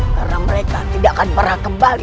karena mereka tidak akan pernah kembali